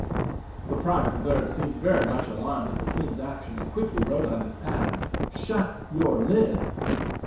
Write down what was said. The Prime Preserve seemed very much alarmed at the Queen's action and quickly wrote on his pad, " Shut your lid."